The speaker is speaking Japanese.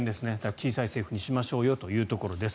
小さい政府にしましょうよというところです。